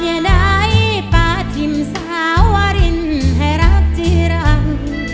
อย่าได้ปาทิมสาวรินให้รับจิรัง